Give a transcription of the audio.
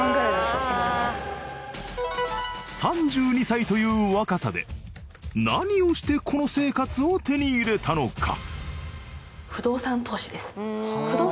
３２歳という若さで何をしてこの生活を手に入れたのか？